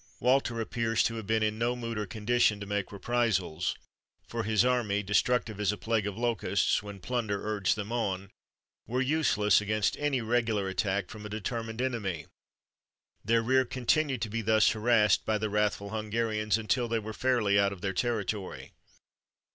Walter appears to have been in no mood or condition to make reprisals; for his army, destructive as a plague of locusts when plunder urged them on, were useless against any regular attack from a determined enemy. Their rear continued to be thus harassed by the wrathful Hungarians until they were fairly out of their territory.